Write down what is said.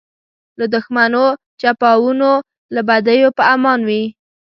له دښمنو چپاوونو له بدیو په امان وي.